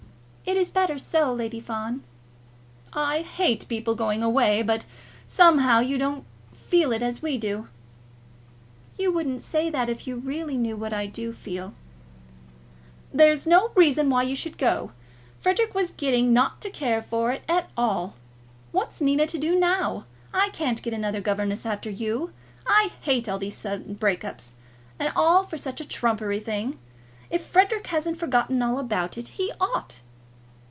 "It is better so, Lady Fawn." "I hate people going away; but, somehow, you don't feel it as we do." "You wouldn't say that if you really knew what I do feel." "There was no reason why you should go. Frederic was getting not to care for it at all. What's Nina to do now? I can't get another governess after you. I hate all these sudden breaks up. And all for such a trumpery thing. If Frederic hasn't forgotten all about it, he ought."